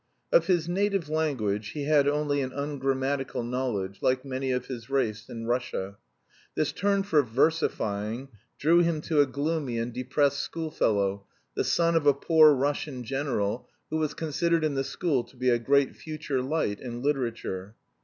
Of his native language he had only an ungrammatical knowledge, like many of his race in Russia. This turn for versifying drew him to a gloomy and depressed schoolfellow, the son of a poor Russian general, who was considered in the school to be a great future light in literature.